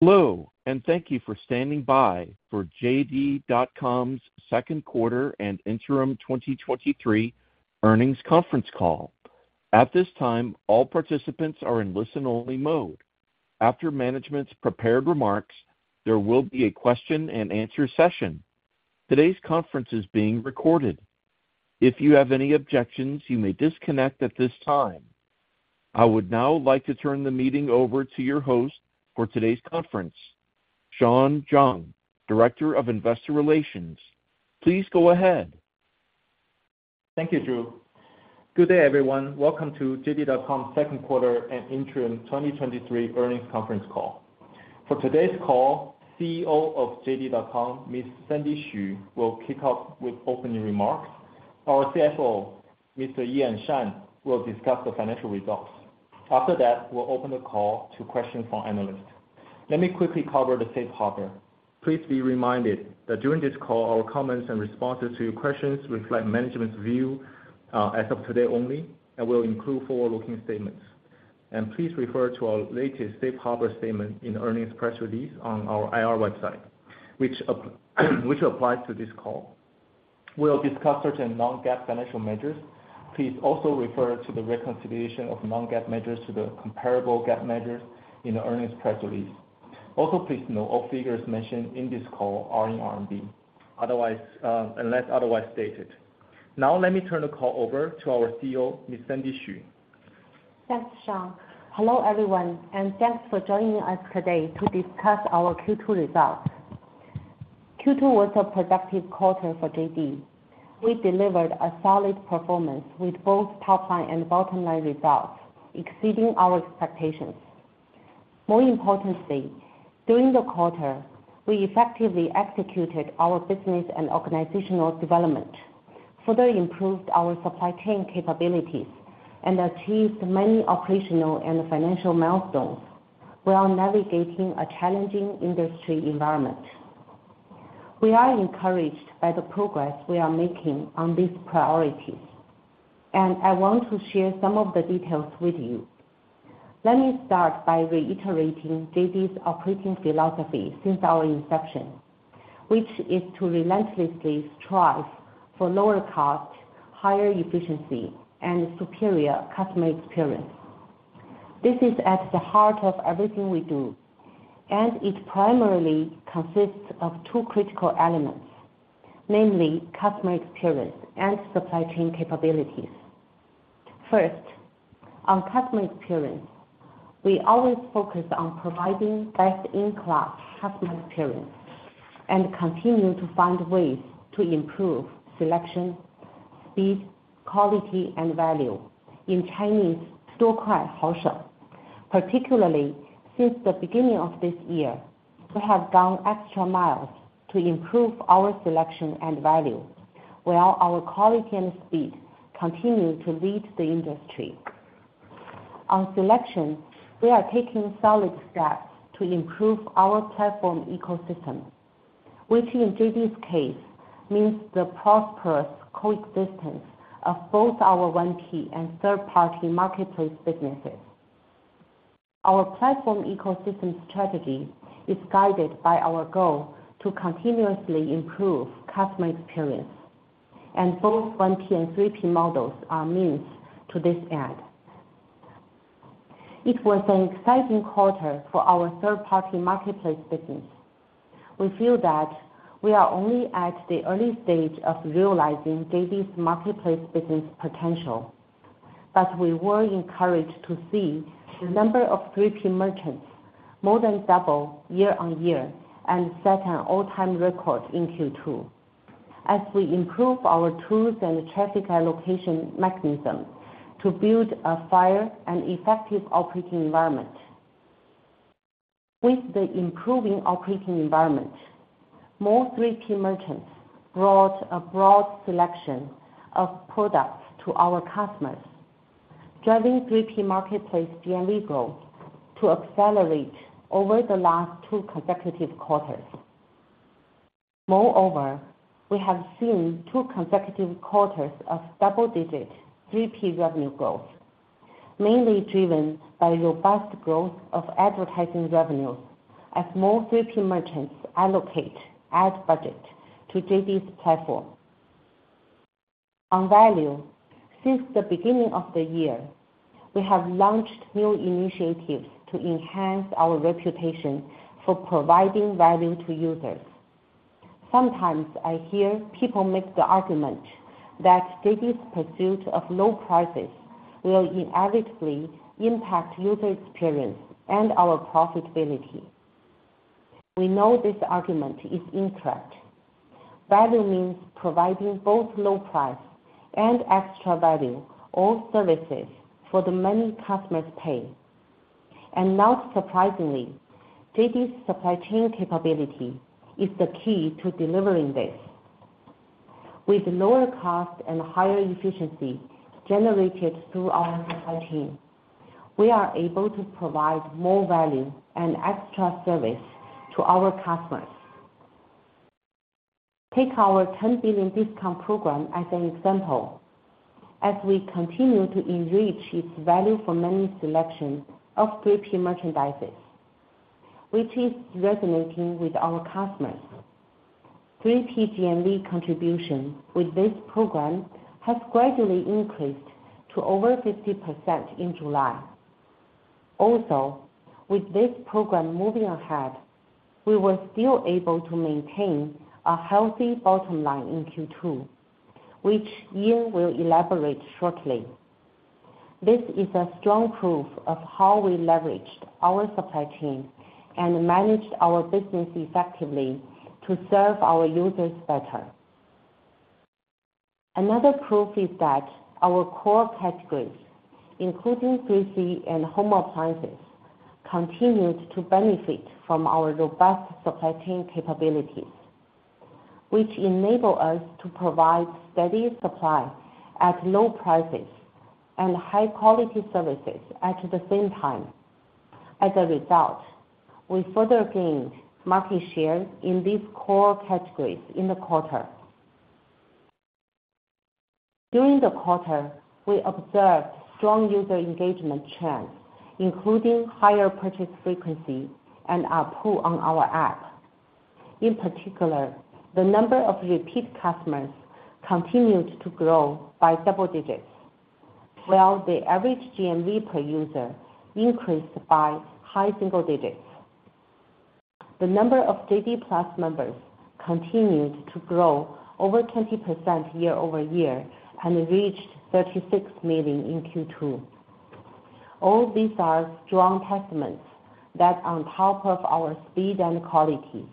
Hello, and thank you for standing by for JD.com's second quarter and interim 2023 earnings conference call. At this time, all participants are in listen-only mode. After management's prepared remarks, there will be a question-and-answer session. Today's conference is being recorded. If you have any objections, you may disconnect at this time. I would now like to turn the meeting over to your host for today's conference, Sean Zhang, Director of Investor Relations. Please go ahead. Thank you, Drew. Good day, everyone. Welcome to JD.com's second quarter and interim 2023 earnings conference call. For today's call, CEO of JD.com, Ms. Sandy Xu, will kick off with opening remarks. Our CFO, Mr. Ian Shan, will discuss the financial results. After that, we'll open the call to questions from analysts. Let me quickly cover the safe harbor. Please be reminded that during this call, our comments and responses to your questions reflect management's view as of today only and will include forward-looking statements. Please refer to our latest safe harbor statement in the earnings press release on our IR website, which applies to this call. We'll discuss certain non-GAAP financial measures. Please also refer to the reconciliation of non-GAAP measures to the comparable GAAP measures in the earnings press release. Also, please note, all figures mentioned in this call are in RMB, otherwise, unless otherwise stated. Now, let me turn the call over to our CEO, Ms. Sandy Xu. Thanks, Sean. Hello, everyone, and thanks for joining us today to discuss our Q2 results. Q2 was a productive quarter for JD. We delivered a solid performance with both top line and bottom line results exceeding our expectations. More importantly, during the quarter, we effectively executed our business and organizational development, further improved our supply chain capabilities, and achieved many operational and financial milestones while navigating a challenging industry environment. We are encouraged by the progress we are making on these priorities. I want to share some of the details with you. Let me start by reiterating JD's operating philosophy since our inception, which is to relentlessly strive for lower cost, higher efficiency, and superior customer experience. This is at the heart of everything we do. It primarily consists of two critical elements, namely customer experience and supply chain capabilities. First, on customer experience, we always focus on providing best-in-class customer experience and continue to find ways to improve selection, speed, quality, and value. In Chinese, "多快好省." Particularly, since the beginning of this year, we have gone extra miles to improve our selection and value, while our quality and speed continue to lead the industry. On selection, we are taking solid steps to improve our platform ecosystem, which in JD's case, means the prosperous coexistence of both our 1P and third-party marketplace businesses. Our platform ecosystem strategy is guided by our goal to continuously improve customer experience, and both 1P and 3P models are means to this end. It was an exciting quarter for our third-party marketplace business. We feel that we are only at the early stage of realizing JD's marketplace business potential, but we were encouraged to see the number of 3P merchants more than double year-on-year and set an all-time record in Q2. As we improve our tools and traffic allocation mechanism to build a fair and effective operating environment. With the improving operating environment, more 3P merchants brought a broad selection of products to our customers, driving 3P marketplace GMV growth to accelerate over the last two consecutive quarters. Moreover, we have seen two consecutive quarters of double-digit 3P revenue growth, mainly driven by robust growth of advertising revenues as more 3P merchants allocate ad budget to JD's platform. On value, since the beginning of the year, we have launched new initiatives to enhance our reputation for providing value to users. Sometimes I hear people make the argument that JD's pursuit of low prices will inevitably impact user experience and our profitability. We know this argument is incorrect. Value means providing both low price and extra value or services for the many customers pay. Not surprisingly, JD's supply chain capability is the key to delivering this. With lower cost and higher efficiency generated through our supply chain, we are able to provide more value and extra service to our customers. Take our Ten Billion discount program as an example. As we continue to enrich its value for many selection of 3P merchandises, which is resonating with our customers. 3P GMV contribution with this program has gradually increased to over 50% in July. With this program moving ahead, we were still able to maintain a healthy bottom line in Q2, which Ian will elaborate shortly. This is a strong proof of how we leveraged our supply chain and managed our business effectively to serve our users better. Another proof is that our core categories, including 3C and home appliances, continued to benefit from our robust supply chain capabilities, which enable us to provide steady supply at low prices and high-quality services at the same time. As a result, we further gained market share in these core categories in the quarter. During the quarter, we observed strong user engagement trends, including higher purchase frequency and ARPU on our app. In particular, the number of repeat customers continued to grow by double digits, while the average GMV per user increased by high single digits. The number of JD Plus members continued to grow over 20% year-over-year and reached 36 million in Q2. All these are strong testaments that on top of our speed and quality,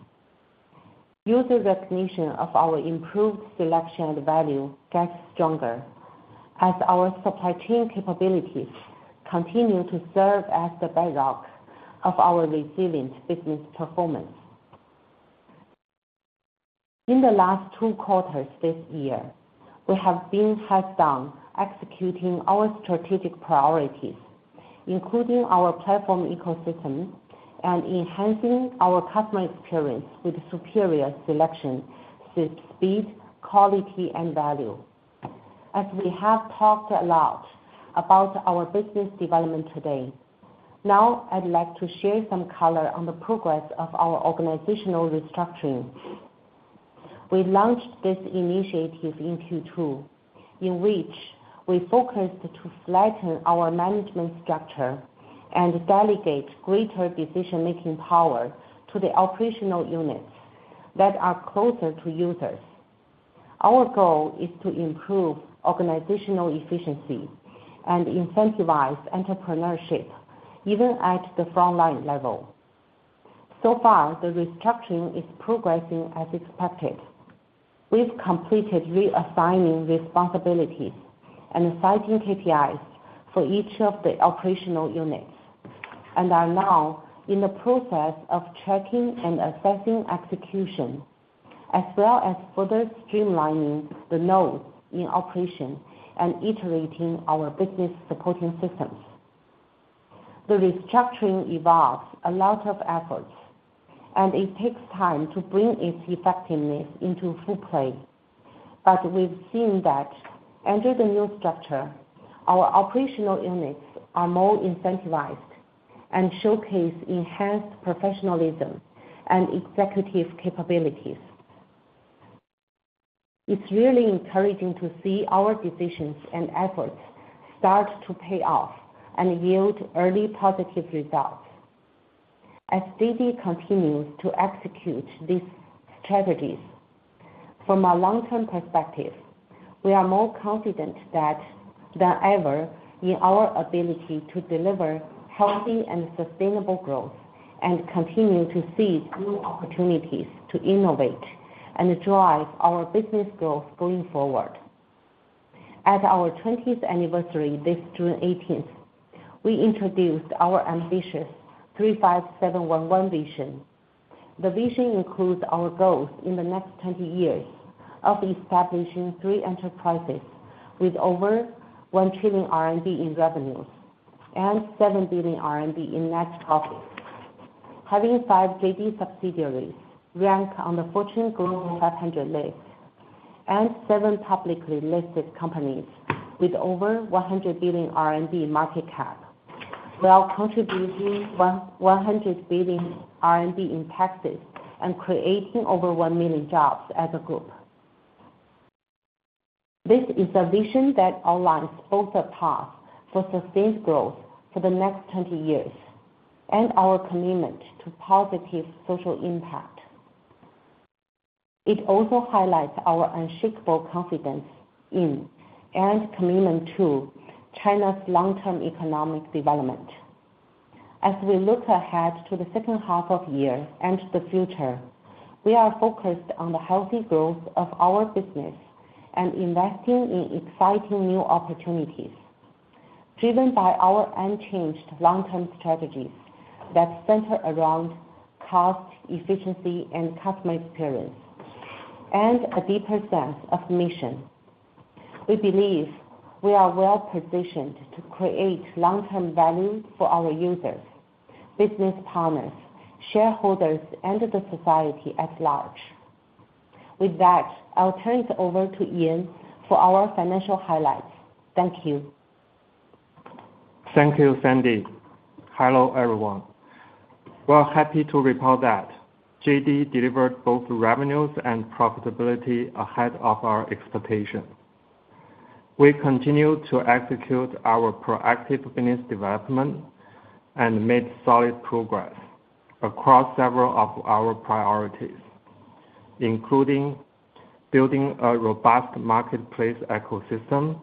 user recognition of our improved selection and value gets stronger as our supply chain capabilities continue to serve as the bedrock of our resilient business performance. In the last two quarters this year, we have been hands down executing our strategic priorities, including our platform ecosystem and enhancing our customer experience with superior selection, speed, quality, and value. We have talked a lot about our business development today, now I'd like to share some color on the progress of our organizational restructuring. We launched this initiative in Q2, in which we focused to flatten our management structure and delegate greater decision-making power to the operational units that are closer to users. Our goal is to improve organizational efficiency and incentivize entrepreneurship, even at the frontline level. The restructuring is progressing as expected. We've completed reassigning responsibilities and setting KPIs for each of the operational units, and are now in the process of tracking and assessing execution, as well as further streamlining the nodes in operation and iterating our business supporting systems. The restructuring involves a lot of efforts, and it takes time to bring its effectiveness into full play. We've seen that under the new structure, our operational units are more incentivized and showcase enhanced professionalism and executive capabilities. It's really encouraging to see our decisions and efforts start to pay off and yield early positive results. As JD continues to execute these strategies from a long-term perspective, we are more confident than ever in our ability to deliver healthy and sustainable growth, and continue to seize new opportunities to innovate and drive our business growth going forward. At our 20th anniversary, this June 18th, we introduced our ambitious 35711 vision. The vision includes our goals in the next 20 years of establishing three enterprises with over 1 trillion RMB in revenues and 7 billion RMB in net profits, having five JD subsidiaries rank on the Fortune Global 500 list, and seven publicly listed companies with over 100 billion in market cap, while contributing 100 billion in taxes and creating over 1 million jobs as a group. This is a vision that outlines both a path for sustained growth for the next 20 years and our commitment to positive social impact. It also highlights our unshakable confidence in and commitment to China's long-term economic development. As we look ahead to the second half of the year and the future, we are focused on the healthy growth of our business and investing in exciting new opportunities, driven by our unchanged long-term strategies that center around cost, efficiency, and customer experience, and a deeper sense of mission. We believe we are well-positioned to create long-term value for our users, business partners, shareholders, and the society at large. With that, I'll turn it over to Ian for our financial highlights. Thank you. Thank you, Sandy. Hello, everyone. We're happy to report that JD delivered both revenues and profitability ahead of our expectation. We continue to execute our proactive business development and made solid progress across several of our priorities, including building a robust marketplace ecosystem,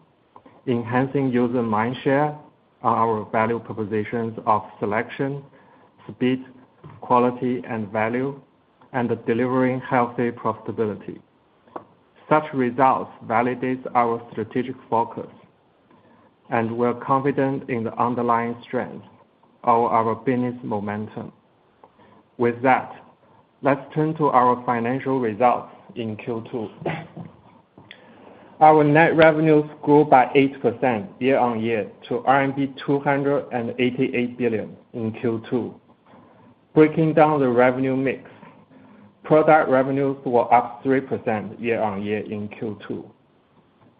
enhancing user mindshare, our value propositions of selection, speed, quality, and value, and delivering healthy profitability. Such results validate our strategic focus, and we're confident in the underlying strength of our business momentum. With that, let's turn to our financial results in Q2. Our net revenues grew by 8% year-on-year to RMB 288 billion in Q2. Breaking down the revenue mix, product revenues were up 3% year-on-year in Q2.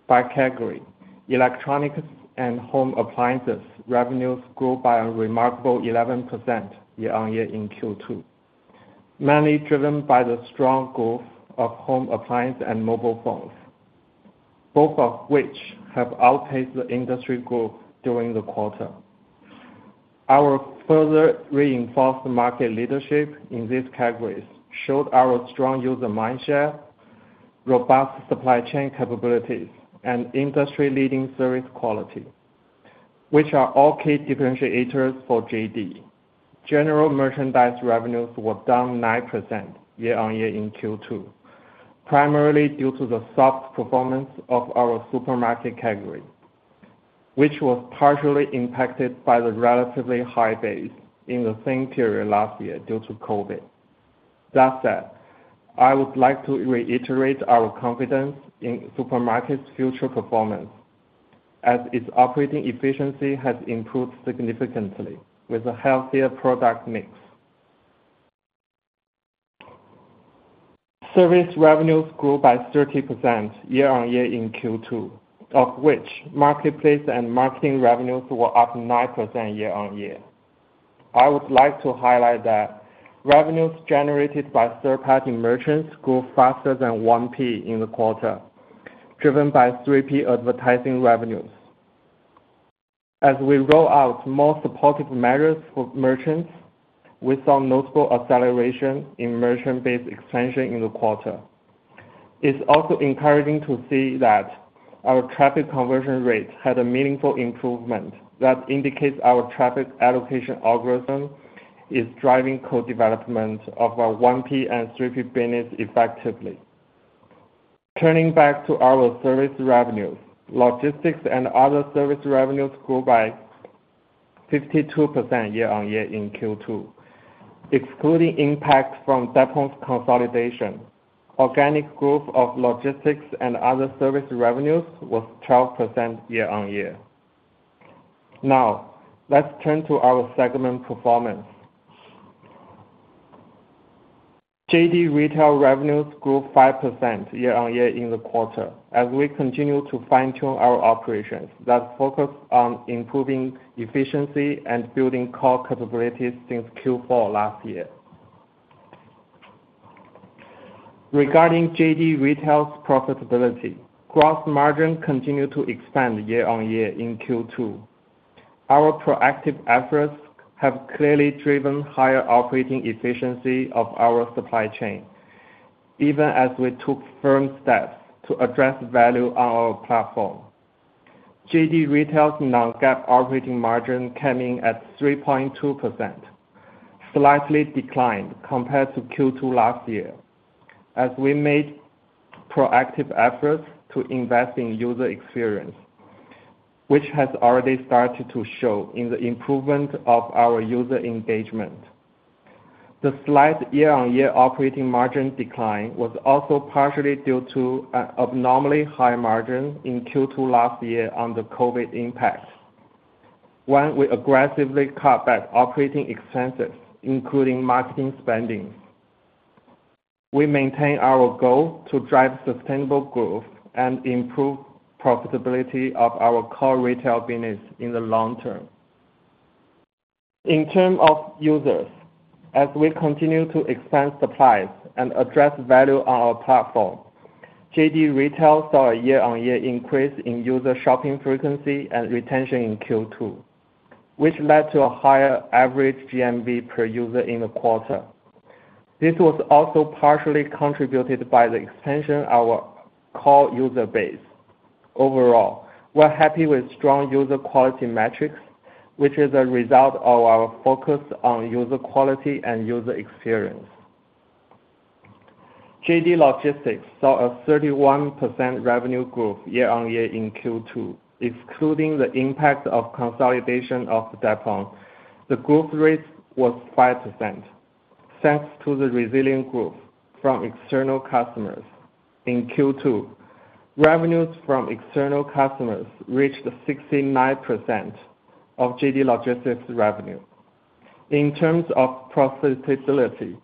By category, electronics and home appliances revenues grew by a remarkable 11% year-on-year in Q2, mainly driven by the strong growth of home appliance and mobile phones, both of which have outpaced the industry growth during the quarter. Our further reinforced market leadership in these categories showed our strong user mindshare, robust supply chain capabilities, and industry-leading service quality, which are all key differentiators for JD. General merchandise revenues were down 9% year-on-year in Q2, primarily due to the soft performance of our supermarket category, which was partially impacted by the relatively high base in the same period last year due to COVID. That said, I would like to reiterate our confidence in supermarket's future performance, as its operating efficiency has improved significantly with a healthier product mix. Service revenues grew by 30% year-on-year in Q2, of which marketplace and marketing revenues were up 9% year-on-year. I would like to highlight that revenues generated by third-party merchants grew faster than 1P in the quarter, driven by 3P advertising revenues. We saw notable acceleration in merchant-based expansion in the quarter. It's also encouraging to see that our traffic conversion rate had a meaningful improvement. That indicates our traffic allocation algorithm is driving co-development of our 1P and 3P business effectively. Turning back to our service revenues, logistics and other service revenues grew by 52% year-over-year in Q2. Excluding impact from Deppon's consolidation, organic growth of logistics and other service revenues was 12% year-over-year. Let's turn to our segment performance. JD Retail revenues grew 5% year-over-year in the quarter as we continue to fine-tune our operations that focus on improving efficiency and building core capabilities since Q4 last year. Regarding JD Retail's profitability, gross margin continued to expand year-on-year in Q2. Our proactive efforts have clearly driven higher operating efficiency of the supply chain, even as we took firm steps to address value on our platform. JD Retail's non-GAAP operating margin came in at 3.2%, slightly declined compared to Q2 last year, as we made proactive efforts to invest in user experience, which has already started to show in the improvement of our user engagement. The slight year-on-year operating margin decline was also partially due to an abnormally high margin in Q2 last year on the COVID impact, when we aggressively cut back operating expenses, including marketing spending. We maintain our goal to drive sustainable growth and improve profitability of our core retail business in the long term. In term of users, as we continue to expand supplies and address value on our platform, JD Retail saw a year-on-year increase in user shopping frequency and retention in Q2, which led to a higher average GMV per user in the quarter. This was also partially contributed by the expansion of our core user base. Overall, we're happy with strong user quality metrics, which is a result of our focus on user quality and user experience. JD Logistics saw a 31% revenue growth year-on-year in Q2. Excluding the impact of consolidation of Deppon, the growth rate was 5%.... thanks to the resilient growth from external customers. In Q2, revenues from external customers reached 69% of JD Logistics revenue. In terms of profitability,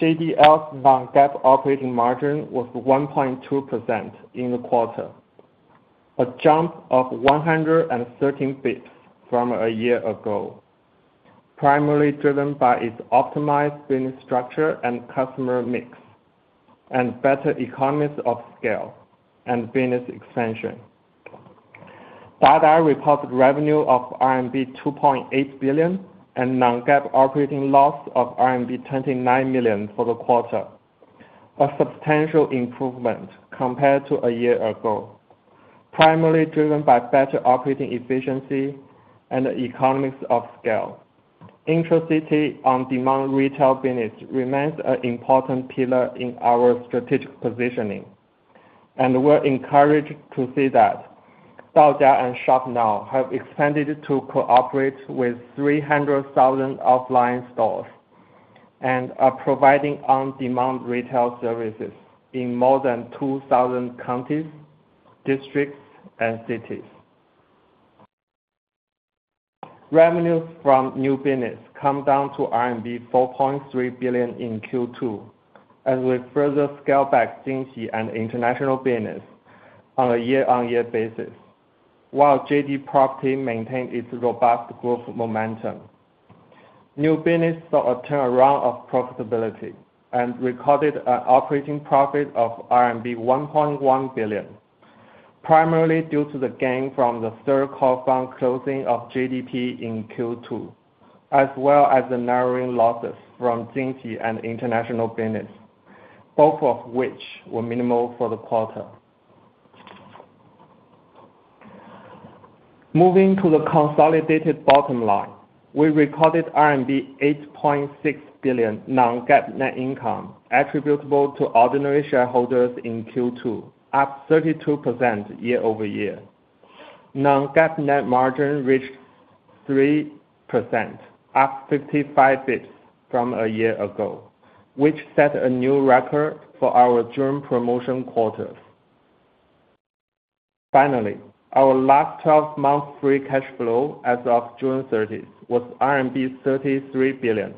JDL's non-GAAP operating margin was 1.2% in the quarter, a jump of 113 basis points from a year ago, primarily driven by its optimized business structure and customer mix, and better economies of scale and business expansion. Dada reported revenue of RMB 2.8 billion and non-GAAP operating loss of RMB 29 million for the quarter, a substantial improvement compared to a year ago, primarily driven by better operating efficiency and economies of scale. Intra-city on-demand retail business remains an important pillar in our strategic positioning, and we're encouraged to see that Dada and Shop Now have expanded to cooperate with 300,000 offline stores, and are providing on-demand retail services in more than 2,000 counties, districts, and cities. Revenues from new business come down to RMB 4.3 billion in Q2 as we further scale back Jingxi and international business on a year-on-year basis, while JD Property maintained its robust growth momentum. New business saw a turnaround of profitability and recorded an operating profit of RMB 1.1 billion, primarily due to the gain from the third call fund closing of JDP in Q2, as well as the narrowing losses from Jingxi and international business, both of which were minimal for the quarter. Moving to the consolidated bottom line, we recorded RMB 8.6 billion non-GAAP net income attributable to ordinary shareholders in Q2, up 32% year-over-year. non-GAAP net margin reached 3%, up 55 basis points from a year ago, which set a new record for our June promotion quarter. Finally, our last 12-month free cash flow as of June 30th, was RMB 33 billion,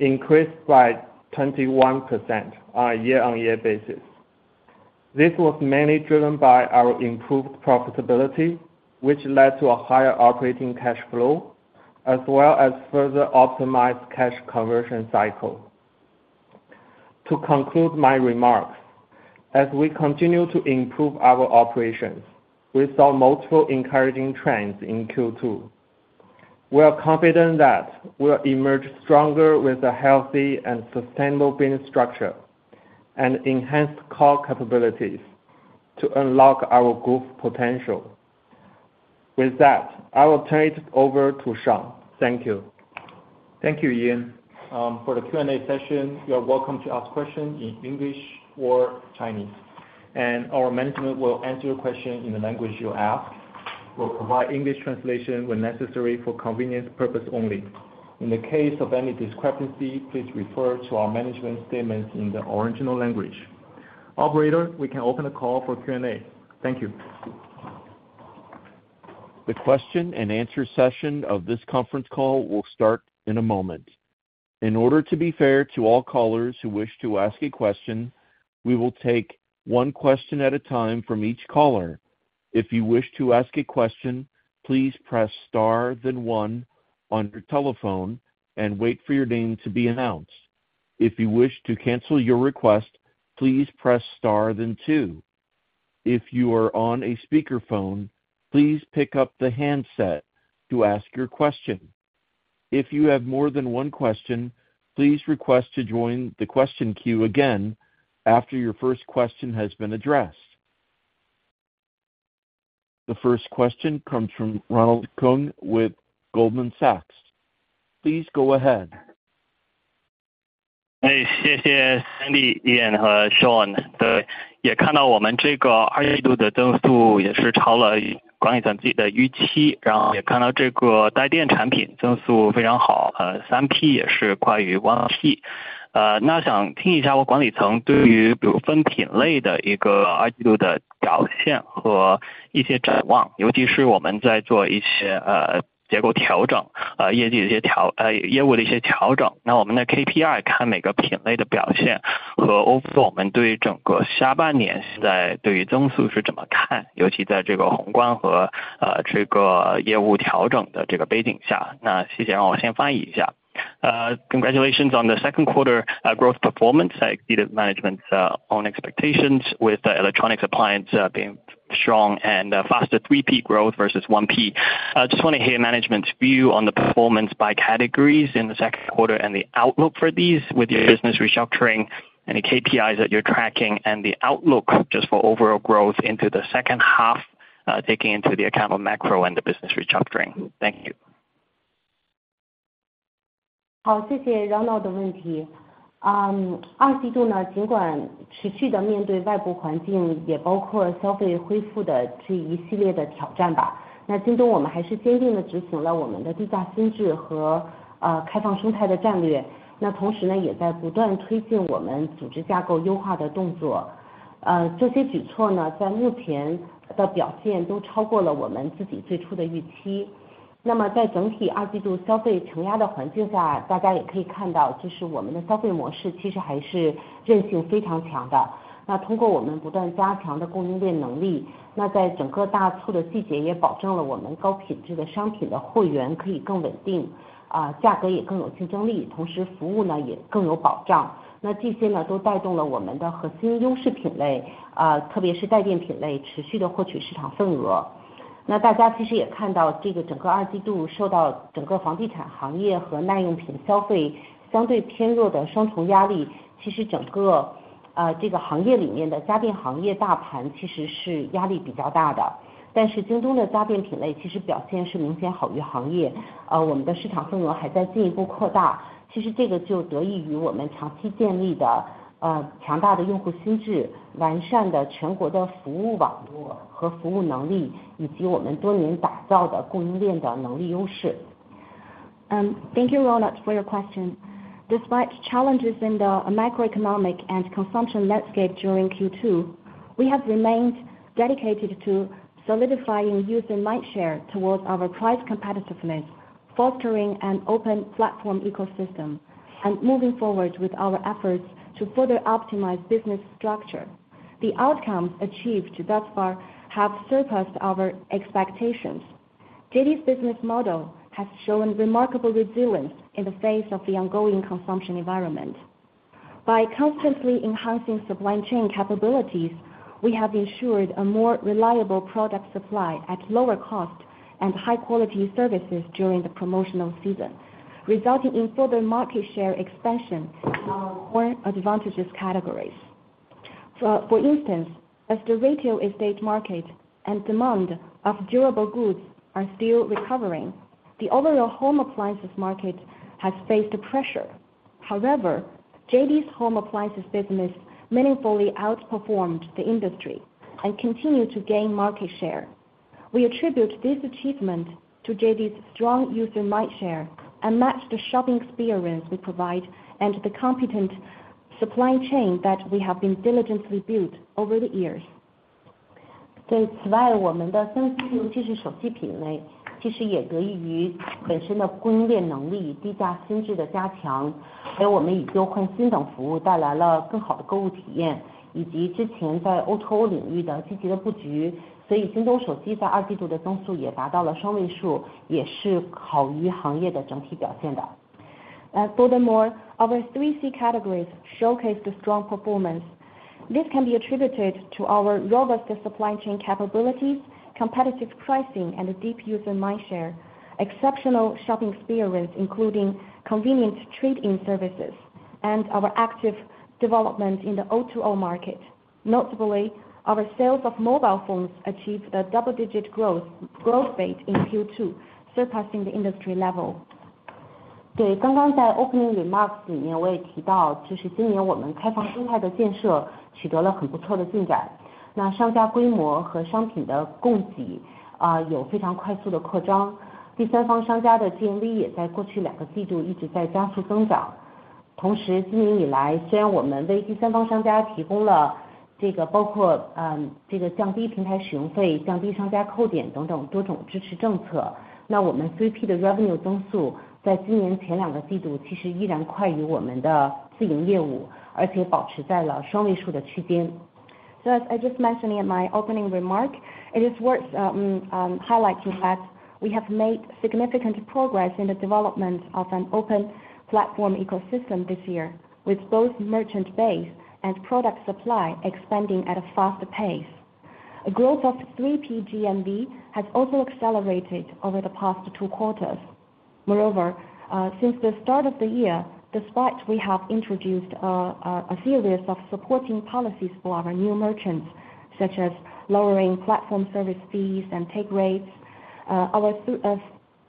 increased by 21% on a year-on-year basis. This was mainly driven by our improved profitability, which led to a higher operating cash flow, as well as further optimized cash conversion cycle. To conclude my remarks, as we continue to improve our operations, we saw multiple encouraging trends in Q2. We are confident that we'll emerge stronger with a healthy and sustainable business structure and enhanced core capabilities to unlock our growth potential. With that, I will turn it over to Sean. Thank you. Thank you, Ian. For the Q&A session, you are welcome to ask questions in English or Chinese, and our management will answer your question in the language you ask. We'll provide English translation when necessary, for convenience purpose only. In the case of any discrepancy, please refer to our management statements in the original language. Operator, we can open the call for Q&A. Thank you. The question and answer session of this conference call will start in a moment. In order to be fair to all callers who wish to ask a question, we will take one question at a time from each caller. If you wish to ask a question, please press star then one on your telephone and wait for your name to be announced. If you wish to cancel your request, please press star then two. If you are on a speakerphone, please pick up the handset to ask your question. If you have more than one question, please request to join the question queue again after your first question has been addressed. The first question comes from Ronald Keung with Goldman Sachs. Please go ahead. Hey, 谢谢 Sandy, Ian 和 Sean。对， 也看到我们这个二季度的增速也是超了管理层自己的预 期， 然后也看到这个代店产品增速非常 好， 3P 也是快于 1P。那想听一下管理层对于比如分品类的一个二季度的表现和一些展 望， 尤其是我们在做一些结构调 整， 业绩的一 些. 业务的一些调 整， 我们的 KPI 看每个品类的表 现， 和 overall 我们对整个下半年在对于增速是怎么 看， 尤其在这个宏观 和， 这个业务调整的这个背景下。谢谢， 让我先翻译一 下. Congratulations on the second quarter growth performance that exceeded management's own expectations with the electronics appliance being strong and faster 3P growth versus 1P. Just wanna hear management's view on the performance by categories in the second quarter and the outlook for these with your business restructuring, any KPIs that you're tracking and the outlook just for overall growth into the second half, taking into the account of macro and the business restructuring. Thank you. 好，谢谢 Ronald 的问题。Q2, 尽管持续地面对外部环 境， 也包括消费恢复的这一系列的挑战。JD.com 我们还是坚定地执行了我们的低价心智和开放生态的战 略， 同时也在不断推进我们组织架构优化的动作。这些举措在目前的表现都超过了我们自己最初的预期。在整体 Q2 消费承压的环境 下， 大家也可以看 到， 就是我们的消费模式其实还是韧性非常强的。通过我们不断加强的供应链能 力， 在整个大促的季 节， 也保证了我们高品质的商品的货源可以更稳 定， 价格也更有竞争 力， 同时服务也更有保障。这些都带动了我们的核心优势品 类， 特别是家电品 类， 持续地获取市场份额。大家其实也看 到， 这个整个 Q2 受到整个房地产行业和耐用品消费相对偏弱的双重压 力， 其实整个这个行业里面的家电行业大盘其实是压力比较大 的， 但是 JD.com 的家电品类其实表现是明显好于行 业， 我们的市场份额还在进一步扩 大， 其实这个就得益于我们长期建立的强大的用户心 智， 完善的全国的服务网络和服务能 力， 以及我们多年打造的供应链的能力优势。Thank you Ronald for your question. Despite challenges in the macroeconomic and consumption landscape during Q2, we have remained dedicated to solidifying user mindshare towards our price competitiveness, fostering an open platform ecosystem, and moving forward with our efforts to further optimize business structure. The outcomes achieved thus far have surpassed our expectations. JD's business model has shown remarkable resilience in the face of the ongoing consumption environment. By constantly enhancing supply chain capabilities, we have ensured a more reliable product supply at lower cost and high quality services during the promotional season, resulting in further market share expansion in our core advantages categories. For instance, as the retail estate market and demand of durable goods are still recovering, the overall home appliances market has faced pressure. However, JD's home appliances business meaningfully outperformed the industry and continued to gain market share. We attribute this achievement to JD's strong user mindshare and match the shopping experience we provide and the competent supply chain that we have been diligently built over the years. 除此 外， 我们的 3C， 也就是手机品 类， 其实也得益于本身的供应链能 力， 低价心智的加 强， 还有我们以旧换新等服务带来了更好的购物体 验， 以及之前在 O2O 领域的积极的布局。所以 JD 手机在 Q2 的增速也达到了双位 数， 也是好于行业的整体表现的。Furthermore, our 3C categories showcase the strong performance. This can be attributed to our robust supply chain capabilities, competitive pricing and deep user mindshare, exceptional shopping experience, including convenient trade-in services and our active development in the O2O market. Notably, our sales of mobile phones achieved a double digit growth growth rate in Q2, surpassing the industry level. 对， 刚刚在 opening remarks 里面我也提 到， 就是今年我们开放生态的建设取得了很不错的进 展， 那商家规模和商品的供给有非常快速的扩 张， 第三方商家的 GMV 也在过去2 quarters 一直在加速增长。同 时， 今年以 来， 虽然我们为第三方商家提供了这 个， 包括这个降低平台使用 费， 降低商家扣点等等多种支持政 策， 那我们 3P 的 revenue 增速在今年 first 2 quarters 其实依然快于我们的自营业 务， 而且保持在了双位数的区间。As I just mentioned in my opening remark, it is worth highlighting that we have made significant progress in the development of an open platform ecosystem this year, with both merchant base and product supply expanding at a faster pace. A growth of 3PGMV has also accelerated over the past two quarters. Moreover, since the start of the year, despite we have introduced a, a, a series of supporting policies for our new merchants, such as lowering platform service fees and take rates, our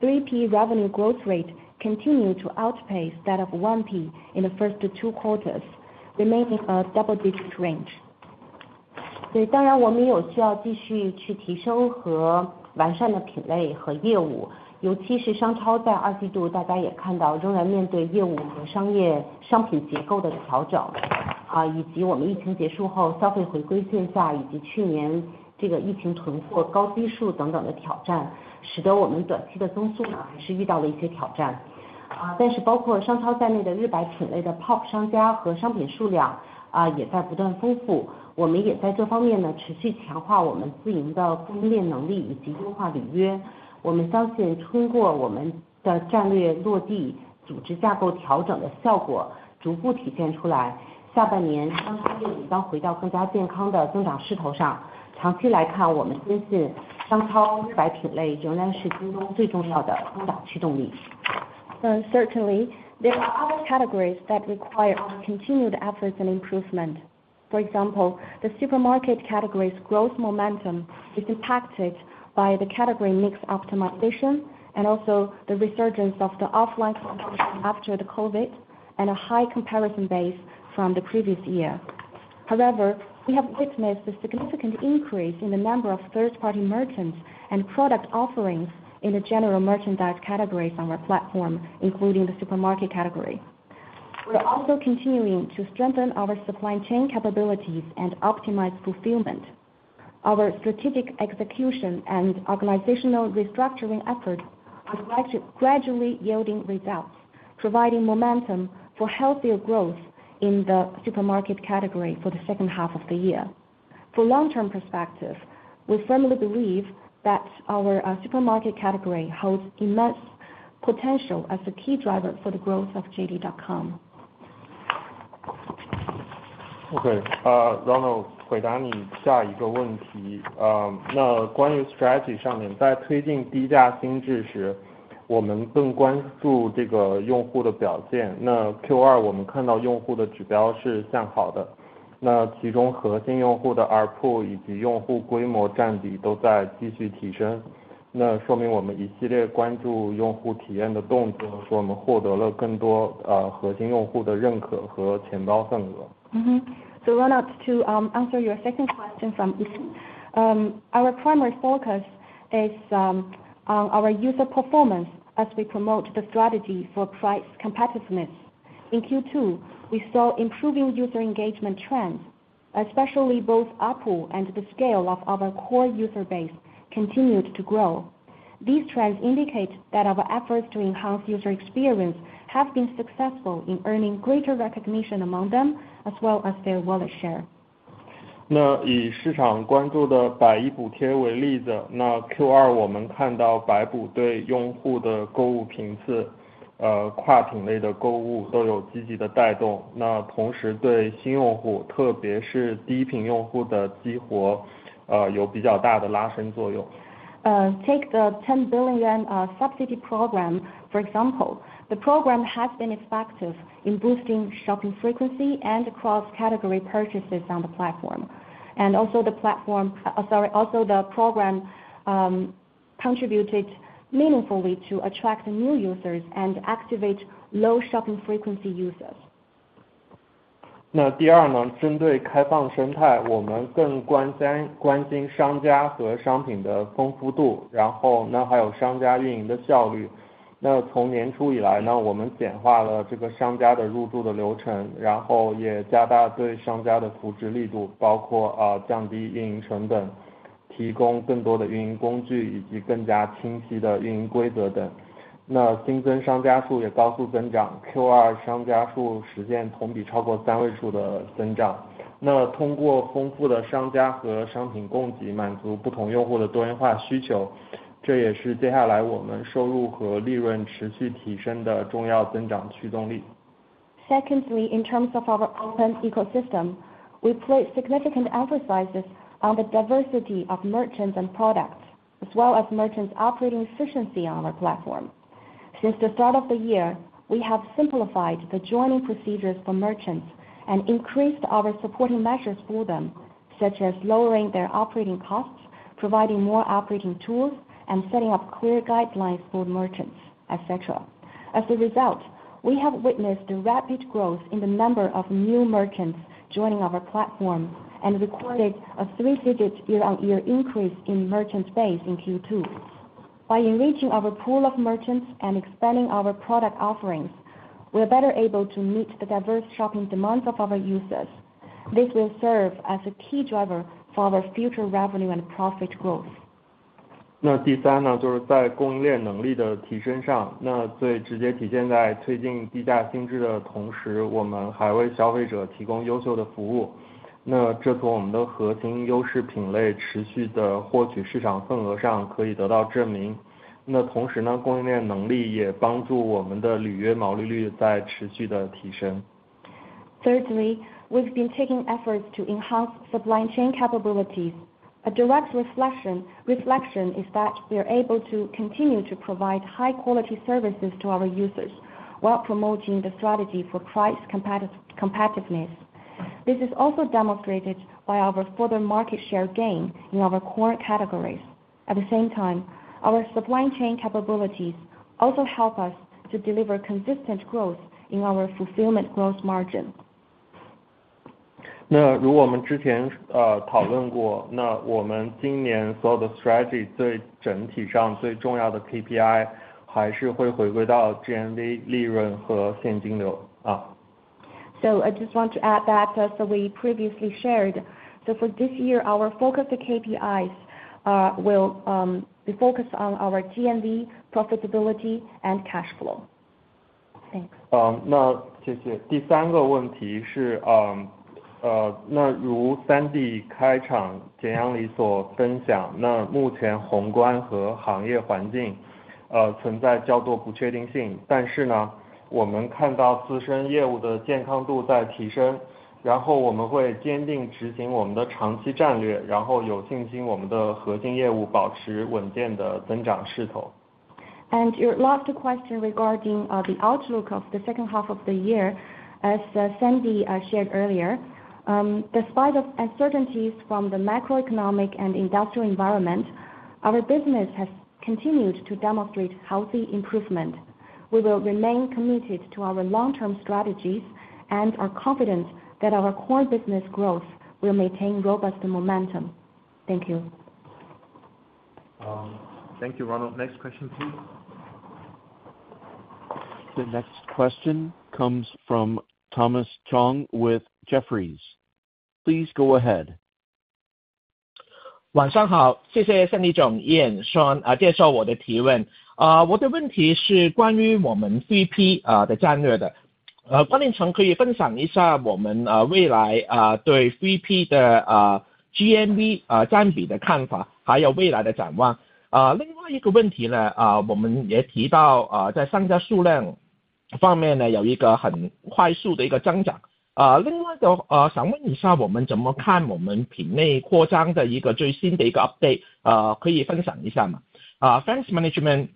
3P revenue growth rate continued to outpace that of 1P in the first two quarters, remaining a double digit range. 对， 当然我们也有需要继续去提升和完善的品类和业 务， 尤其是商超 ，在 Q2 大家也看 到， 仍然面对业务和商业商品结构的调 整， 以及我们疫情结束后消费回归线 下， 以及去年这个疫情存货高基数等等的挑 战， 使得我们短期的增速 呢， 还是遇到了一些挑战。但是包括商超在内的日百品类的 POP 商家和商品数量也在不断丰 富， 我们也在这方面 呢， 持续强化我们自营的供应链能 力， 以及优化履约。我们相 信， 通过我们的战略落 地， 组织架构调整的效果逐步体现出 来， 下半年商超业务将回到更加健康的增长势头上。长期来 看， 我们相信商超日百品类仍然是 JD 最重要的增长驱动力。Certainly, there are other categories that require our continued efforts and improvement....For example, the supermarket category's growth momentum is impacted by the category mix optimization and also the resurgence of the offline competition after the COVID and a high comparison base from the previous year. However, we have witnessed a significant increase in the number of third-party merchants and product offerings in the general merchandise categories on our platform, including the supermarket category. We are also continuing to strengthen our supply chain capabilities and optimize fulfillment. Our strategic execution and organizational restructuring efforts are gradually yielding results, providing momentum for healthier growth in the supermarket category for the second half of the year. For long-term perspective, we firmly believe that our supermarket category holds immense potential as a key driver for the growth of JD.com. Okay, Ronald, 回答你下一个问题。关于 strategy 上 面， 在推进低价机制 时， 我们更关注这个用户的表 现， Q2 我们看到用户的指标是向好 的， 其中核心用户的 ARPU 以及用户规模占比都在继续提 升， 说明我们一系列关注用户体验的动 作， 使我们获得了更 多， 核心用户的认可和钱包份额。Ronald, to answer your second question from Yin. Our primary focus is on our user performance as we promote the strategy for price competitiveness. In Q2, we saw improving user engagement trends, especially both ARPU and the scale of our core user base continued to grow. These trends indicate that our efforts to enhance user experience have been successful in earning greater recognition among them, as well as their wallet share. 以市场关注的百亿补贴为例 子, Q2 我们看到百补对用户的购物频 次, 跨品类的购物都有积极的带 动, 同时对新用 户, 特别是低频用户的激 活, 有比较大的拉升作 用. Take the Ten Billion Subsidy program, for example. The program has been effective in boosting shopping frequency and across category purchases on the platform. Also the platform, sorry, also the program contributed meaningfully to attract new users and activate low shopping frequency users. 那第二 呢， 针对开放生 态， 我们更关 瞻， 关心商家和商品的丰富 度， 然后呢还有商家运营的效率。那从年初以来 呢， 我们简化了这个商家的入驻的流 程， 然后也加大对商家的扶持力 度， 包 括， 呃， 降低运营成本，提供更多的运营工 具， 以及更加清晰的运营规则 等， 那新增商家数也高速增长 ，Q2 商家数实现同比超过三位数的增长。那通过丰富的商家和商品供 给， 满足不同用户的多元化需 求， 这也是接下来我们收入和利润持续提升的重要增长驱动力。Secondly, in terms of our open ecosystem, we place significant emphasis on the diversity of merchants and products, as well as merchants' operating efficiency on our platform. Since the start of the year, we have simplified the joining procedures for merchants and increased our supporting measures for them, such as lowering their operating costs, providing more operating tools, and setting up clear guidelines for merchants, etc. As a result, we have witnessed a rapid growth in the number of new merchants joining our platform and recorded a three-digit year-on-year increase in merchant base in Q2. By enriching our pool of merchants and expanding our product offerings, we are better able to meet the diverse shopping demands of our users. This will serve as a key driver for our future revenue and profit growth. 那第三 呢，就是 在供应链能力的提升 上，那 最直接体现在推进低价机制的 同时，我们 还为消费者提供优秀的服务。那这从我们的核心优势品类持续地获取市场份额上可以得到证明。那同时 呢，供应 链能力也帮助我们的履约毛利率在持续地提升。Thirdly, we've been taking efforts to enhance supply chain capabilities. A direct reflection is that we are able to continue to provide high quality services to our users while promoting the strategy for price competitiveness. This is also demonstrated by our further market share gain in our core categories. At the same time, our supply chain capabilities also help us to deliver consistent growth in our fulfillment growth margin. 如我们之前讨论 过， 那我们今年所有的 strategy， 最整体上最重要的 KPI 还是会回归到 GMV 利润和现金 流. I just want to add that as we previously shared. For this year, our focus of KPIs will be focused on our GMV, profitability, and cash flow. Thanks. 谢谢。第3个问题 是，如 Sandy 开场简阳里所分 享，目 前宏观和行业环境存在较多不确定 性，但 是 呢，我 们看到自身业务的健康度在提 升，然 后我们会坚定执行我们的长期战 略，然 后有信心我们的核心业务保持稳定的增长势头。Your last question regarding the outlook of the second half of the year. As Sandy shared earlier, despite of uncertainties from the macroeconomic and industrial environment, our business has continued to demonstrate healthy improvement. We will remain committed to our long-term strategies and are confident that our core business growth will maintain robust momentum. Thank you. Thank you, Ronald. Next question, please. The next question comes from Thomas Chong with Jefferies. Please go ahead. 晚上 好， 谢谢 Sandy Xu 总愿意 上， 接受我的提问。我的问题是关于我们 3P 的战略的。关凌成可以分享一下我们未来对 3P 的 GMV 占比的看 法， 还有未来的展望。另外一个问题 呢， 我们也提 到， 在商家数量方面 呢， 有一个很快速的一个增长。另外 就， 想问一 下， 我们怎么看我们品类扩张的一个最新的一个 update， 可以分享一下 吗？ Thanks, management,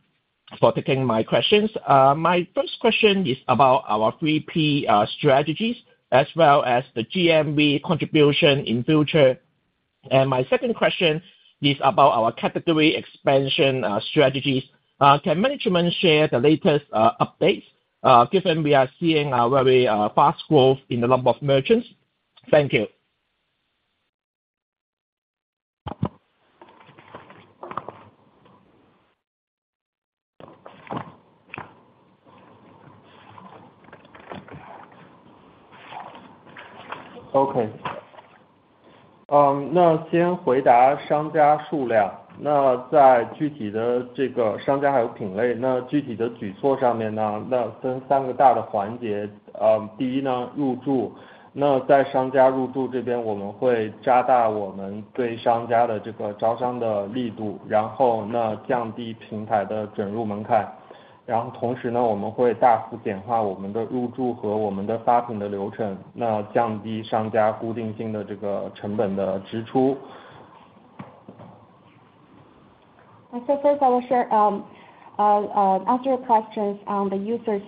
for taking my questions. My first question is about our 3P strategies, as well as the GMV contribution in future. My second question is about our category expansion strategies. Can management share the latest updates given we are seeing a very fast growth in the number of merchants? Thank you. Okay. 先回答商家数量。在具体的这个商家还有品 类， 具体的举措上面 呢， 分3个大的环节。第1 呢， 入驻。在商家入驻这 边， 我们会加大我们对商家的这个招商的力 度， 然后降低平台的准入门槛。同时 呢， 我们会大幅简化我们的入驻和我们的发品的流 程， 降低商家固定性的这个成本的支出。First I will share, answer your questions on the users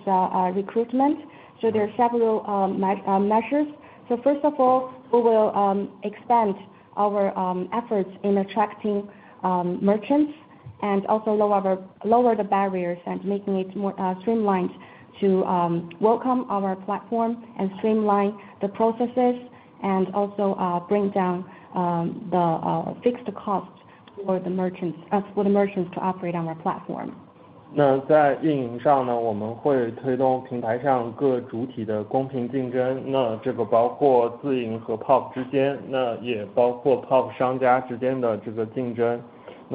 recruitment. There are several measures. First of all, we will expand our efforts in attracting merchants and also lower the barriers and making it more streamlined to welcome on our platform and streamline the processes, and also bring down the fixed costs for the merchants to operate on our platform. 在运营上 呢， 我们会推动平台上各主体的公平竞 争， 那这个包括自营和 POP 之 间， 那也包括 POP 商家之间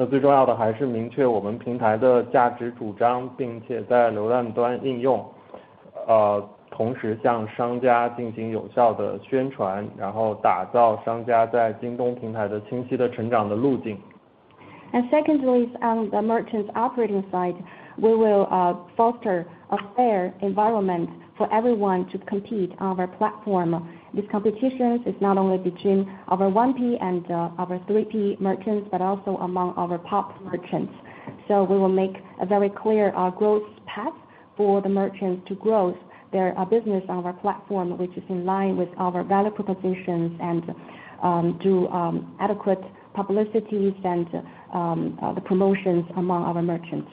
的这个竞争。最重要的还是明确我们平台的价值主 张， 并且在流量端应 用， 同时向商家进行有效的宣 传， 然后打造商家在京东平台的清晰的成长的路径。Secondly, on the merchants operating side, we will foster a fair environment for everyone to compete on our platform. This competition is not only between our 1P and our 3P merchants, but also among our top merchants. We will make a very clear growth path for the merchants to grow their business on our platform, which is in line with our value propositions and through adequate publicity and the promotions among our merchants.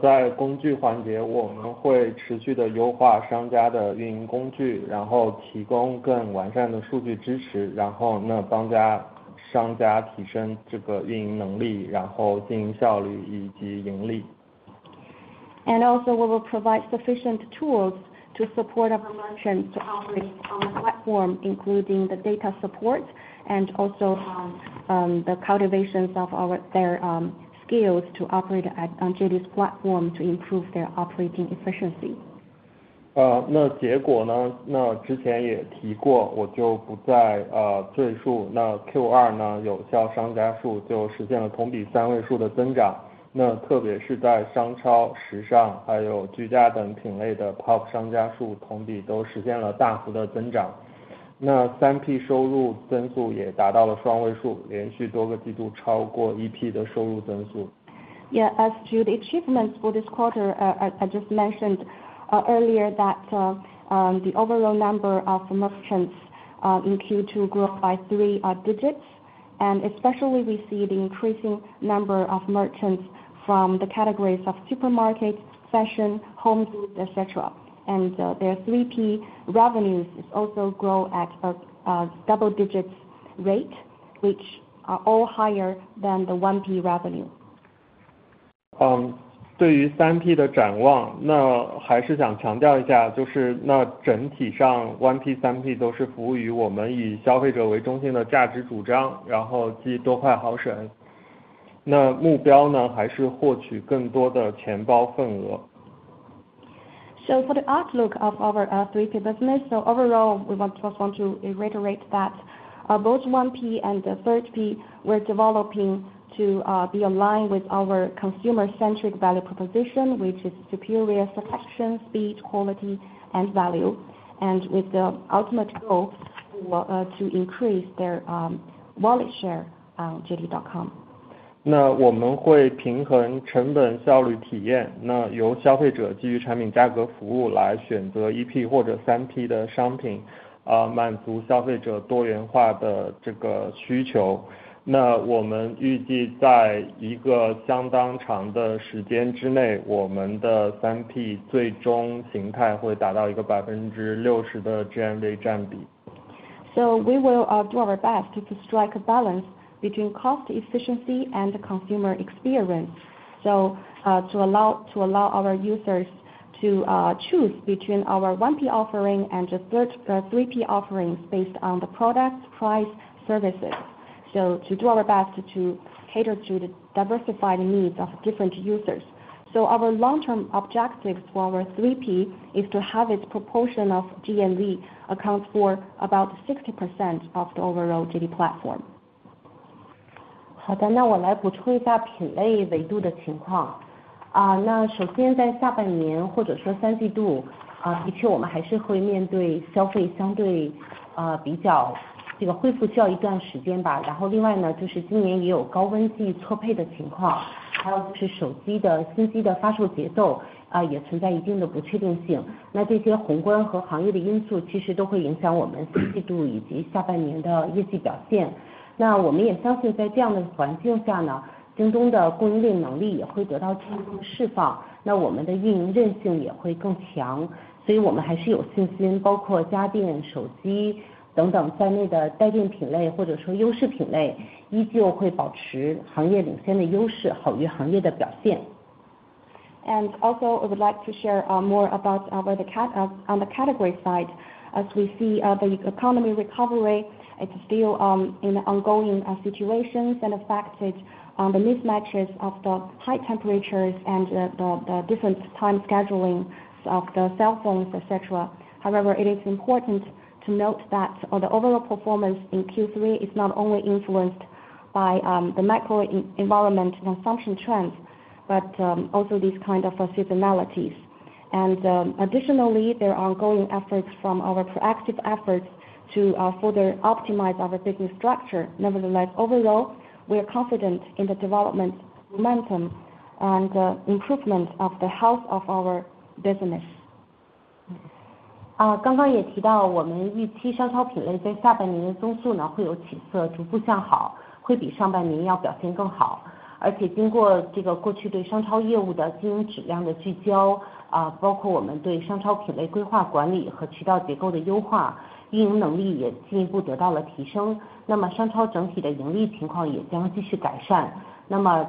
在工具环 节， 我们会持续地优化商家的运营工 具， 然后提供更完善的数据支 持， 然后商家提升这个运营能 力， 然后经营效率以及盈利。Also, we will provide sufficient tools to support our merchants to operate on the platform, including the data support and also, the cultivations of their skills to operate on JD's platform to improve their operating efficiency. 那结果 呢？ 那之前也提 过， 我就不再赘述。那 Q2 呢， 有效商家数就实现了同比 3-digit 的增 长， 那特别是在商超、时尚还有居家等品类的 POP 商家 数， 同比都实现了大幅的增长。那 3P 收入增速也达到了 double-digit， 连续多个季度超过 1P 的收入增速。Yeah, as to the achievements for this quarter, I, I just mentioned earlier that the overall number of merchants in Q2 grew by three digits. Especially we see the increasing number of merchants from the categories of supermarket, fashion, home goods, et cetera. Their 3P revenues is also grow at a double digits rate, which are all higher than the 1P revenue. 嗯， 对于 3P 的展 望， 那还是想强调一 下， 就是那整体上 1P、3P 都是服务于我们以消费者为中心的价值主 张， 然后即多快好 省， 那目标 呢， 还是获取更多的钱包份额。For the outlook of our 3P business, so overall, we want first want to reiterate that both 1P and the 3P, we're developing to be aligned with our consumer-centric value proposition, which is superior selection, speed, quality, and value. With the ultimate goal to increase their wallet share on JD.com. 我们会平衡成本、效率、体 验， 由消费者基于产品价格服务来选择 1P 或者 3P 的商 品， 满足消费者多元化的这个需求。我们预计在一个相当长的时间之 内， 我们的 3P 最终形态会达到一个 60% 的 GMV 占比。We will do our best to strike a balance between cost efficiency and consumer experience. To allow our users to choose between our 1P offering and the third 3P offerings based on the product price services. To do our best to cater to the diversified needs of different users. Our long term objectives for our 3P is to have its proportion of GMV account for about 60% of the overall JD platform. 好 的， 那我来补充一下品类维度的情况。啊， 那首先在下半年或者说三季 度， 啊， 的确我们还是会面对消费相 对， 呃， 比 较...... 这个恢复需要一段时间吧。然后另外 呢， 就是今年也有高温季错配的情 况， 还有就是手机的新机的发售节 奏， 啊， 也存在一定的不确定性。那这些宏观和行业的因素其实都会影响我们三季度以及下半年的业绩表现。那我们也相 信， 在这样的环境下 呢， 京东的供应链能力也会得到进一步释 放， 那我们的运营韧性也会更 强， 所以我们还是有信 心， 包括家电、手机等等在内的代电品 类， 或者说优势品 类， 依旧会保持行业领先的优 势， 好于行业的表现。Also, I would like to share more about our on the category side. As we see, the economy recovery is still in ongoing situations and affected on the mismatches of the high temperatures and the different time scheduling of the cell phones, etc. However, it is important to note that the overall performance in Q3 is not only influenced by the macro environment and consumption trends, but also these kind of seasonality. Additionally, there are ongoing efforts from our proactive efforts to further optimize our business structure. Nevertheless, overall, we are confident in the development momentum and improvement of the health of our business. 刚刚也提 到， 我们预期商超品类在下半年的增速呢会有起 色， 逐步向 好， 会比上半年要表现更好。经过这个过去对商超业务的经营质量的聚 焦， 包括我们对商超品类规划管理和渠道结构的优化，运营能力也进一步得到了提 升， 商超整体的盈利情况也将继续改善。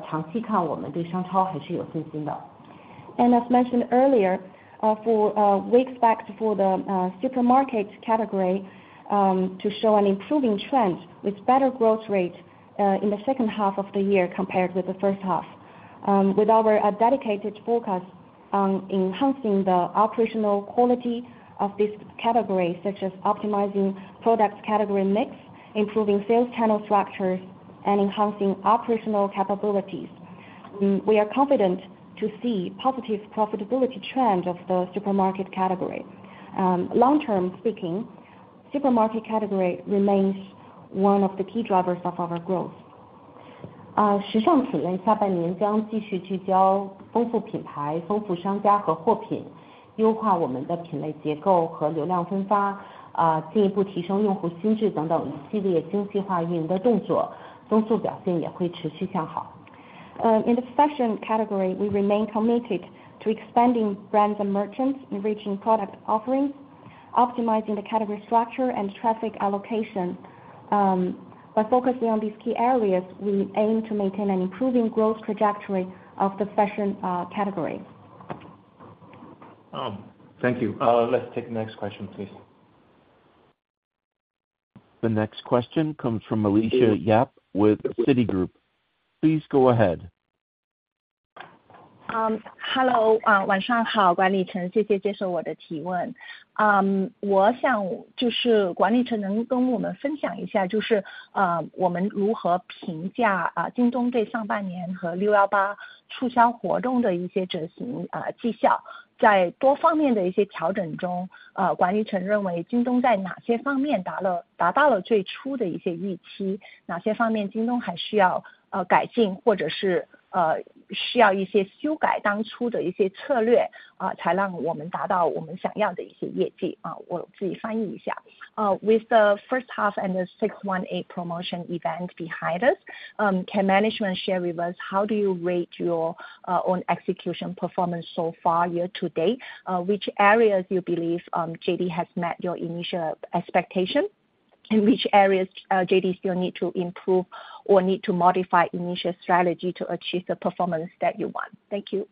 长期 看， 我们对商超还是有信心的。As mentioned earlier, for, we expect for the supermarket category to show an improving trend with better growth rate in the second half of the year compared with the first half. With our dedicated focus on enhancing the operational quality of this category, such as optimizing product category mix, improving sales channel structures, and enhancing operational capabilities. We are confident to see positive profitability trends of the supermarket category. Long term speaking, supermarket category remains one of the key drivers of our growth. 时尚品类下半年将继续聚焦丰富品牌、丰富商家和货 品， 优化我们的品类结构和流量分 发， 进一步提升用户心智等等一系列精细化运营的动 作， 增速表现也会持续向好。In the fashion category, we remain committed to expanding brands and merchants, enriching product offerings, optimizing the category structure and traffic allocation. By focusing on these key areas, we aim to maintain an improving growth trajectory of the fashion category. Thank you. Let's take the next question, please. The next question comes from Alicia Yap with Citigroup. Please go ahead. Hello, 晚上 好， 管义 成， 谢谢接受我的提问。我想就是管义成能跟我们分享一 下， 就 是， 我们如何评价京东对上半年和六一八促销活动的一些执行绩 效？ 在多方面的一些调整 中， 管义成认为京东在哪些方面达 到， 达到了最初的一些预 期， 哪些方面京东还需要改 进， 或者是需要一些修改当初的一些策 略， 才让我们达到我们想要的一些业 绩？ 我自己翻译一下。With the first half and the 618 promotion event behind us, can management share with us how do you rate your own execution performance so far year to date? Which areas you believe JD has met your initial expectation, and which areas JD still need to improve or need to modify initial strategy to achieve the performance that you want? Thank you.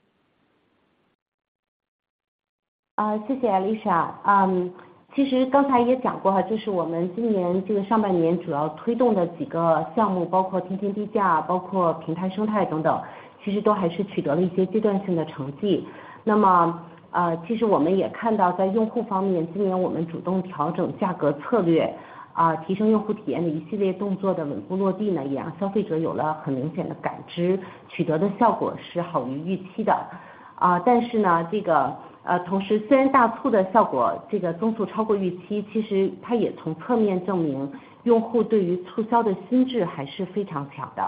啊， 谢谢 Alicia。嗯， 其实刚才也讲过 啊， 就是我们今年这个上半年主要推动的几个项 目， 包括天天低 价， 包括平台生态等 等， 其实都还是取得了一些阶段性的成绩。那 么， 呃， 其实我们也看 到， 在用户方 面， 今年我们主动调整价格策略 啊， 提升用户体验的一系列动作的稳步落地 呢， 也让消费者有了很明显的感 知， 取得的效果是好于预期 的。... 同时虽然大促的效果增速超过预 期， 其实它也从侧面证 明， 用户对于促销的心智还是非常强的。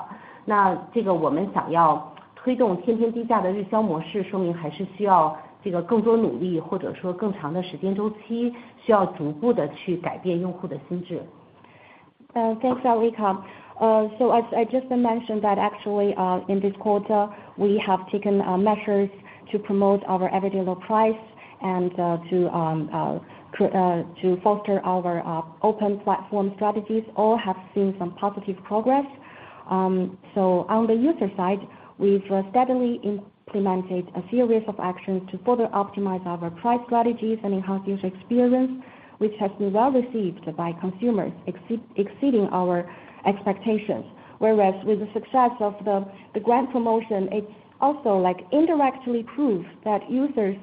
我们想要推动天天低价的日销模 式， 说明还是需要更多努 力， 或者说更长的时间周 期， 需要逐步地去改变用户的心智。Thanks, Alicia. As I just mentioned that actually, in this quarter, we have taken measures to promote our everyday low price and to foster our open platform strategies. All have seen some positive progress. On the user side, we've steadily implemented a series of actions to further optimize our price strategies and enhance user experience, which has been well received by consumers, exceeding our expectations. With the success of the grant promotion, it's also like indirectly prove that users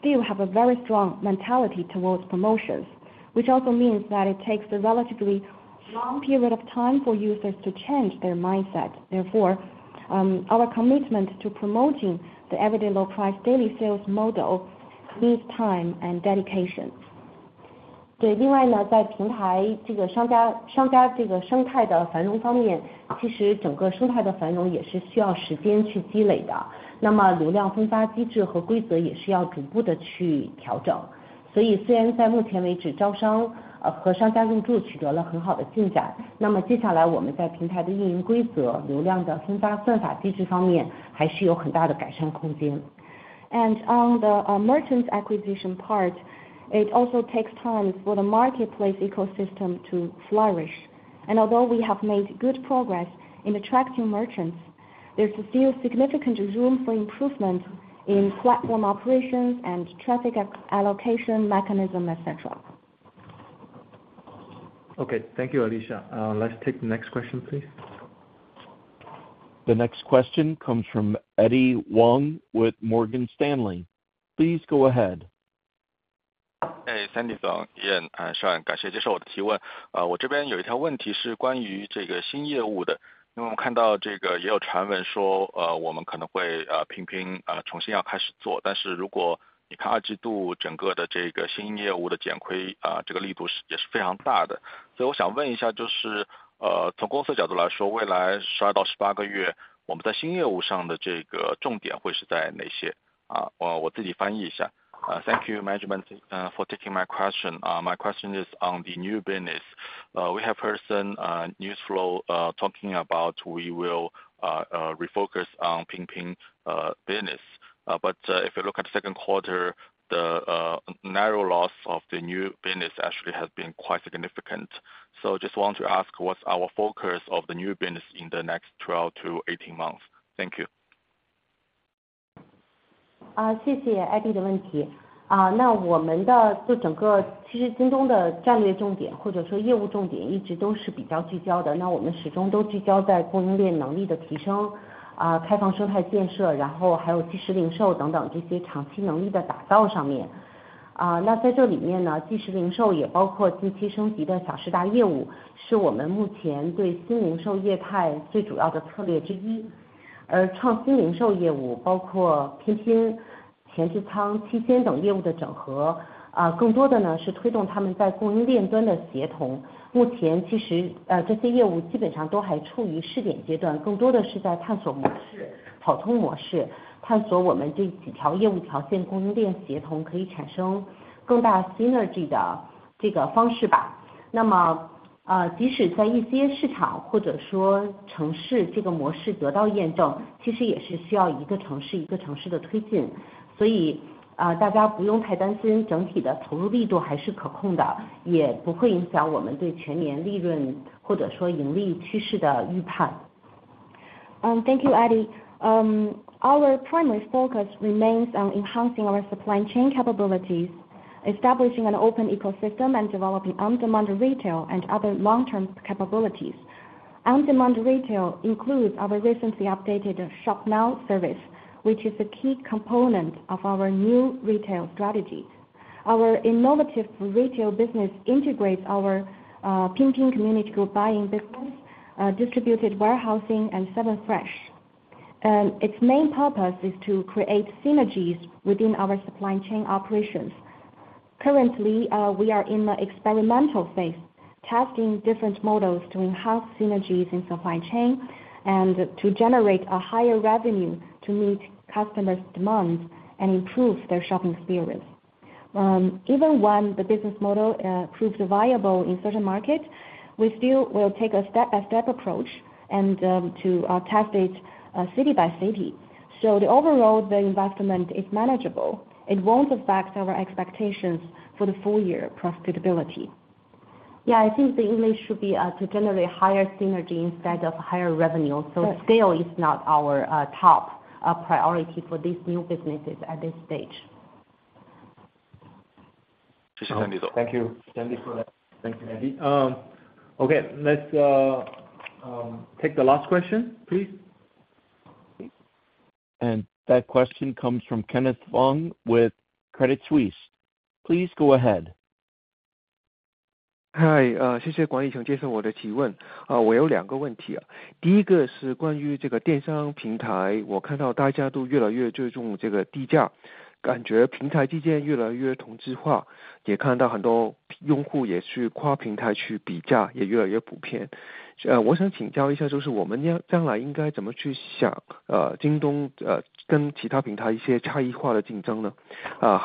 still have a very strong mentality towards promotions, which also means that it takes a relatively long period of time for users to change their mindset. Our commitment to promoting the everyday low price daily sales model needs time and dedication. 另外 呢， 在平台这个商 家， 商家这个生态的繁荣方 面， 其实整个生态的繁荣也是需要时间去积累 的， 那么流量分发机制和规则也是要逐步地去调 整. 虽然在目前为 止， 招商和商家入驻取得了很好的进 展， 那么接下来我们在平台的运营规 则， 流量的分发算法机制方面还是有很大的改善空 间. On the merchants acquisition part, it also takes time for the marketplace ecosystem to flourish. Although we have made good progress in attracting merchants, there's still significant room for improvement in platform operations and traffic allocation, mechanism, etc. Okay, thank you, Alicia. Let's take the next question, please. The next question comes from Eddy Wang with Morgan Stanley. Please go ahead. Hey, Sandy Xu, 也, 感谢接受我的提问。我这边有一条问题是关于这个新业务的, 因为我们看到这个也有传闻说, 我们可能会拼拼重新要开始做。如果你看二季度整个的这个新业务的减亏, 这个力度是也是非常大的。我想问一下, 就是从公司角度来说, 未来 12到18 个月, 我们在新业务上的这个重点会是在哪些？我, 我自己翻译一下. Thank you management for taking my question. My question is on the new business, we have heard some news flow talking about we will refocus on 拼拼 business. If you look at the second quarter, the narrow loss of the new business actually has been quite significant. Just want to ask, what's our focus of the new business in the next 12-18 months? Thank you. 谢谢 Eddy 的问题。我们的就整个其实京东的战略重点或者说业务重点一直都是比较聚焦 的，我们 始终都聚焦在供应链能力的 提升，开放 生态 建设，然后 还有即时零售等等这些长期能力的打造上面。在这里面 呢，即时 零售也包括近期升级的小时达 业务，是 我们目前对新零售业态最主要的策略之一。创新零售 业务，包括 拼拼、前置仓、七鲜等业务的 整合，更多 的呢是推动他们在供应链端的协同。目前其实这些业务基本上都还处于试点 阶段，更多 的是在探索 模式，草 通 模式，探索 我们这几条业务 条线，供应 链协同可以产生更大 synergy 的这个方式吧。即使在一些市场或者说 城市，这个 模式得到 验证，其实 也是需要 1个 城市，1 个城市的推进。大家不用太 担心，整体 的投入力度还是可控 的，也 不会影响我们对全年利润或者说盈利趋势的预判。Thank you, Eddy. Our primary focus remains on enhancing our supply chain capabilities, establishing an open ecosystem, and developing on-demand retail and other long-term capabilities. On-demand retail includes our recently updated Shop Now service, which is a key component of our new retail strategy. Our innovative retail business integrates our Jingxi Pinpin community group buying business, distributed warehousing and 7Fresh. Its main purpose is to create synergies within our supply chain operations. Currently, we are in the experimental phase, testing different models to enhance synergies in supply chain and to generate a higher revenue to meet customers' demands and improve their shopping experience. Even when the business model proves viable in certain markets, we still will take a step-by-step approach and to test it city by city. The overall investment is manageable. It won't affect our expectations for the full year profitability. Yeah, I think the English should be to generate higher synergy instead of higher revenue. Scale is not our top priority for these new businesses at this stage. 谢谢 Sandy 多. Thank you, Sandy for that. Thank you, Eddie. Okay, let's take the last question, please. That question comes from Kenneth Fong with Credit Suisse. Please go ahead. ...谢谢管理层接受我的提问。我有2个问 题，第 一个是关于这个电商平 台，我 看到大家都越来越注重这个低 价，感 觉平台之间越来越同质 化，也 看到很多用户也是跨平台去比 价，也 越来越普遍。我想请教一 下，就 是我们要将来应该怎么去 想，京东，跟 其他平台一些差异化的竞争 呢？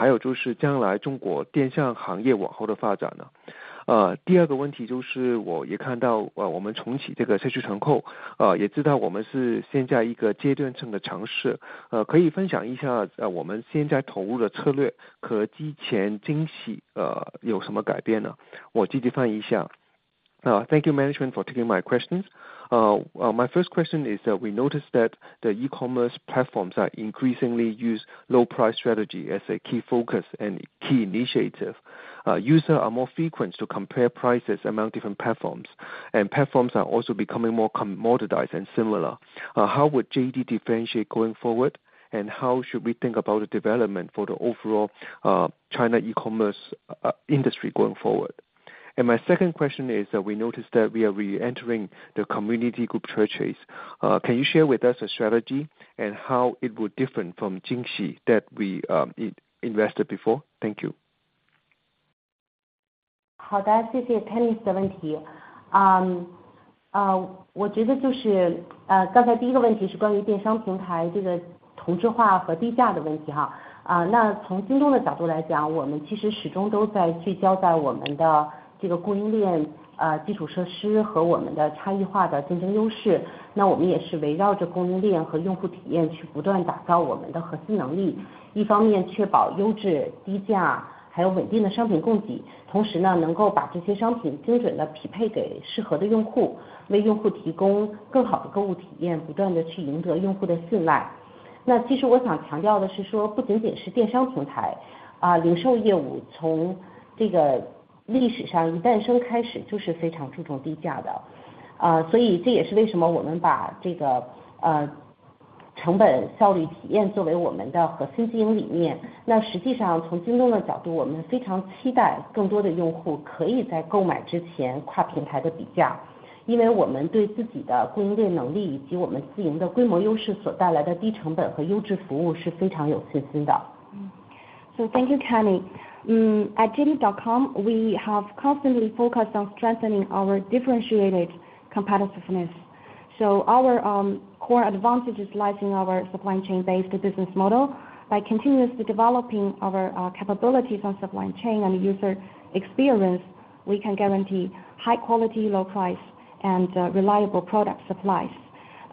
有就是将来中国电商行业往后的发展 呢？第 2个问题就是我也看 到，我 们重启这个社区团 购，也 知道我们是现在一个阶段性的尝 试，可 以分享一 下，我 们现在投入的策略和之前 惊喜，有 什么改变 呢？我 自己翻译一下。Thank you management for taking my questions. My first question is that we notice that the e-commerce platforms are increasingly use low price strategy as a key focus and key initiative. User are more frequent to compare prices among different platforms, and platforms are also becoming more commoditized and similar. How would JD differentiate going forward? How should we think about the development for the overall China e-commerce industry going forward? My second question is that we noticed that we are re-entering the community group purchase. Can you share with us the strategy and how it will different from Jingxi that we in-invested before? Thank you. 好 的， 谢谢 Kenny 的问题。我觉得就是刚才第一个问题是关于电商平台这个同质化和低价的问题哈。从京东的角度来 讲， 我们其实始终都在聚焦在我们的这个供应链基础设施和我们的差异化的竞争优势。我们也是围绕着供应链和用户体验去不断打造我们的核心能 力， 一方面确保优质、低价，还有稳定的商品供 给， 同时呢能够把这些商品精准地匹配给适合的用 户， 为用户提供更好的购物体 验， 不断地去赢得用户的信赖。其实我想强调的是 说， 不仅仅是电商平 台， 零售业务从这个历史上一诞生开 始， 就是非常注重低价 的， 所以这也是为什么我们把这个成本、效率、体验作为我们的核心经营理念。实际上从京东的角 度， 我们非常期待更多的用户可以在购买之前跨平台的比 价， 因为我们对自己的供应链能 力， 以及我们自营的规模优势所带来的低成本和优质服务是非常有信心的。Thank you, Kenny. At JD.com, we have constantly focused on strengthening our differentiated competitiveness, so our core advantage lies in our supply chain-based business model. By continuously developing our capabilities on supply chain and user experience, we can guarantee high quality, low price and reliable product supplies.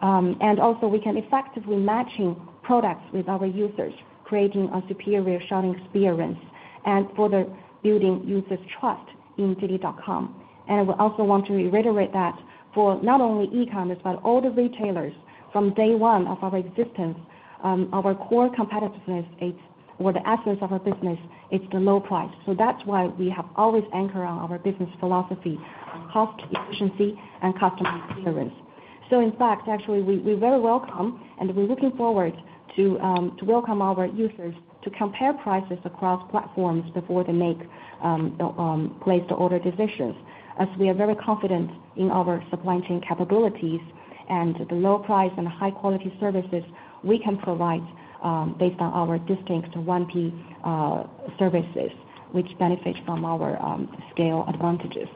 Also we can effectively matching products with our users, creating a superior shopping experience, and further building users trust in JD.com. We also want to reiterate that for not only e-commerce, but all the retailers from day one of our existence, our core competitiveness, it's or the essence of our business, it's the low price. That's why we have always anchor on our business philosophy, cost, efficiency, and customer experience. In fact, actually we, we very welcome and we're looking forward to to welcome our users to compare prices across platforms before they make place the order decisions. As we are very confident in our supply chain capabilities and the low price and high quality services we can provide, based on our distinct 1P services, which benefits from our scale advantages.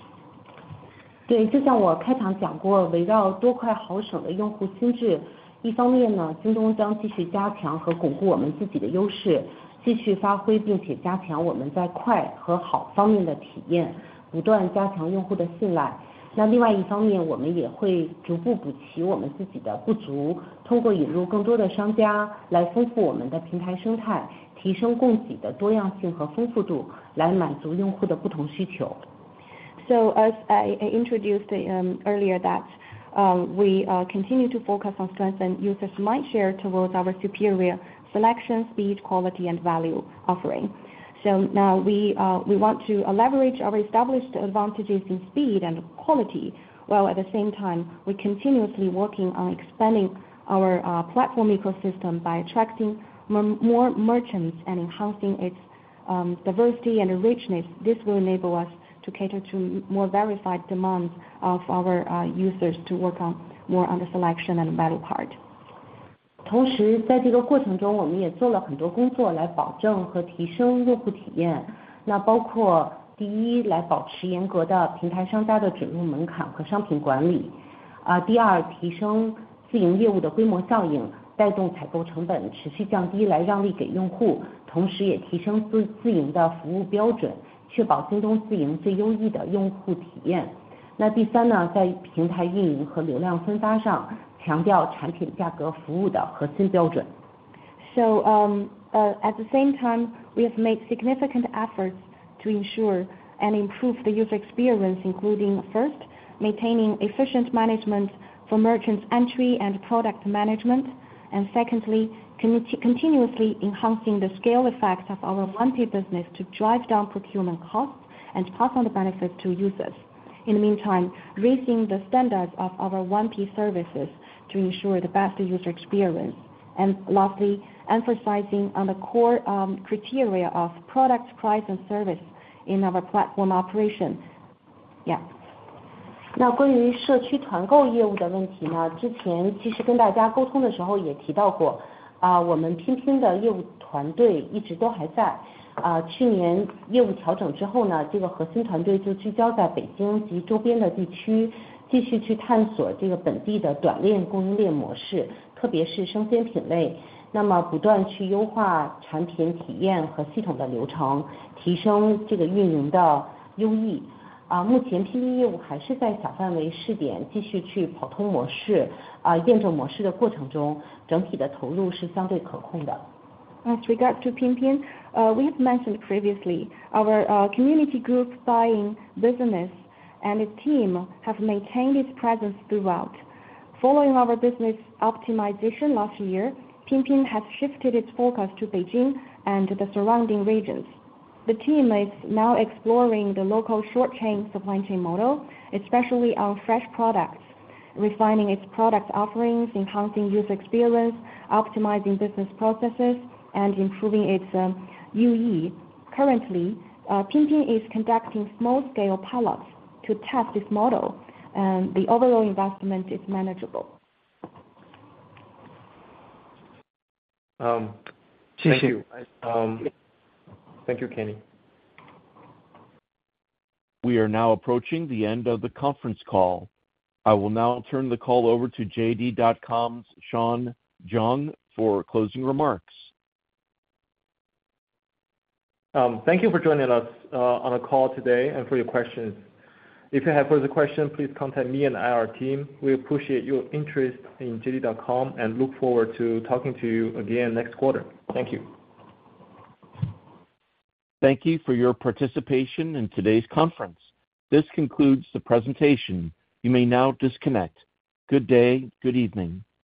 对， 就像我开场讲 过， 围绕多快好省的用户心 智， 一方面 呢， 京东将继续加强和巩固我们自己的优 势， 继续发挥并且加强我们在快和好方面的体 验， 不断加强用户的信赖。那另外一方 面， 我们也会逐步补齐我们自己的不 足， 通过引入更多的商家来丰富我们的平台生 态， 提升供给的多样性和丰富 度， 来满足用户的不同需求。As I, I introduced, earlier that, we, continue to focus on strengthen users mindshare towards our superior selection, speed, quality and value offering. Now we, we want to leverage our established advantages in speed and quality, while at the same time we continuously working on expanding our, platform ecosystem by attracting more merchants and enhancing its, diversity and richness. This will enable us to cater to more verified demands of our, users to work on more on the selection and value part. 同 时， 在这个过程 中， 我们也做了很多工作来保证和提升用户体 验， 那包括第 一， 来保持严格的平台商家的准入门槛和商品管理。啊第 二， 提升自营业务的规模效 应， 带动采购成本持续降 低， 来让利给用 户， 同时也提升 自， 自营的服务标 准， 确保京东自营最优质的用户体验。那第三 呢， 在平台运营和流量分发上，强调产品、价格、服务的核心标准。At the same time, we have made significant efforts to ensure and improve the user experience, including first, maintaining efficient management for merchants entry and product management. Secondly, continuously enhancing the scale effects of our 1P business to drive down procurement costs and pass on the benefits to users. In the meantime, raising the standards of our 1P services to ensure the best user experience. Lastly, emphasizing on the core criteria of product, price, and service in our platform operations. Yeah. As regards to Jingxi Pinpin, we've mentioned previously, our community group buying business and its team have maintained its presence throughout. Following our business optimization last year, Jingxi Pinpin has shifted its focus to Beijing and the surrounding regions. The team is now exploring the local short chain supply chain model, especially on fresh products, refining its product offerings, enhancing user experience, optimizing business processes, and improving its UE. Currently, Pinpin is conducting small-scale pilots to test this model, and the overall investment is manageable. Thank you. Thank you, Kenny. We are now approaching the end of the conference call. I will now turn the call over to JD.com's Sean Zhang for closing remarks. Thank you for joining us on the call today and for your questions. If you have further questions, please contact me and our team. We appreciate your interest in JD.com and look forward to talking to you again next quarter. Thank you. Thank you for your participation in today's conference. This concludes the presentation. You may now disconnect. Good day. Good evening.